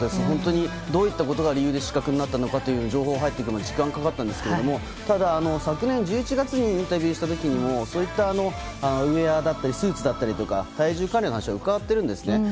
本当にどういったことが理由で失格になったのかという情報が入ってくるまでに時間かかったんですけれども、ただ昨年１１月にインタビューしたときにも、そういったウエアだったり、スーツだったりとか、体重管理の話を伺ってるんですね。